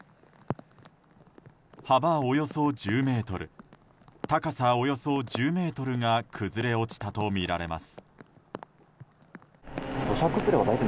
幅およそ１０ｍ高さおよそ１０ｍが崩れ落ちたとみられます。